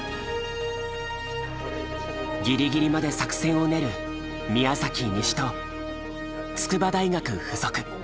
ギリギリまで作戦を練る宮崎西と筑波大学附属。